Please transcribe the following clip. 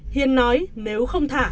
hiền nói nếu không thả